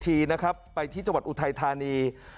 ทีนะครับไปที่จังหวัดอุทัยธานี